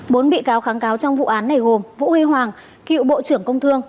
bốn bị cáo kháng cáo trong vụ án này gồm vũ huy hoàng cựu bộ trưởng công thương